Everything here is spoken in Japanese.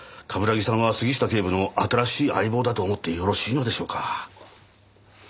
冠城さんは杉下警部の新しい相棒だと思ってよろしいのでしょうか？